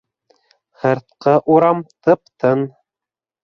Һыртҡы урам тып-тын.